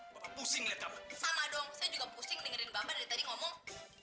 bapak pusing lihat kamu sama dong saya juga pusing dengerin bapak dari tadi ngomong